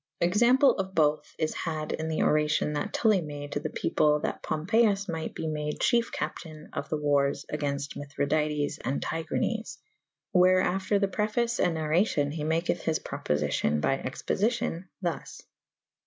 Example of bothe is had in the oracion that Tully made to the people that Pompeyus myght be made chyefe capytayne of the warres agaynfte Mithridates and Tigranes / where after the preface and narracyon he maketh his propofycyon by expofycyon thus.